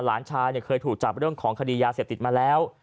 หลานชาเคยถูกจับบ้านของคดียาเสียบติดมาแล้ว